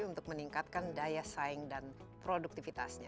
untuk meningkatkan daya saing dan produktivitasnya